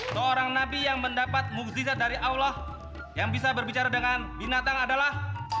seorang nabi yang mendapat muzizat dari allah yang bisa berbicara dengan binatang adalah